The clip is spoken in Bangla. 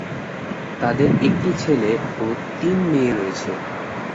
তাঁদের একটি ছেলে ও তিন মেয়ে রয়েছে।